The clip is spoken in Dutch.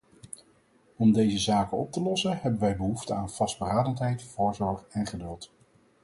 Om deze zaken op te lossen hebben wij behoefte aan vastberadenheid, voorzorg en geduld.